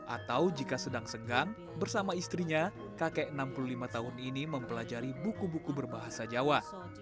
atau jika sedang senggang bersama istrinya kakek enam puluh lima tahun ini mempelajari buku buku berbahasa jawa